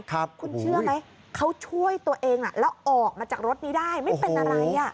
คุณเชื่อไหมเขาช่วยตัวเองแล้วออกมาจากรถนี้ได้ไม่เป็นอะไร